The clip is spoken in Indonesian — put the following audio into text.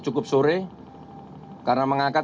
cukup sore karena mengangkat